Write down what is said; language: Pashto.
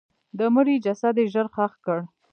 د مړي جسد یې ژر ښخ کړ.